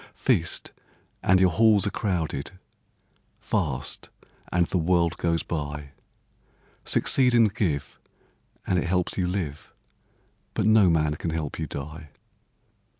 Feast, and your halls are crowded; Fast, and the world goes by. Succeed and give, and it helps you live, But no man can help you die.